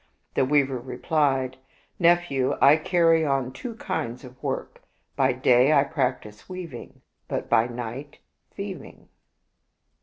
" The weaver replied, " Nephew, I carry on two kinds of work. By day I practice weaving, but by night thieving."